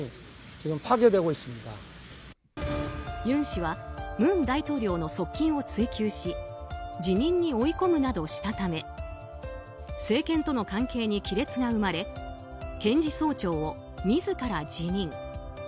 尹氏は文大統領の側近を追及し辞任に追い込むなどしたため政権との関係に亀裂が生まれ検事総長を自ら辞任。